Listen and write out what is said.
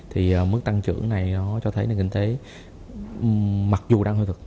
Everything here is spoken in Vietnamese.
thì mức tăng trưởng này nó cho thấy nền kinh tế mặc dù đang hơi thật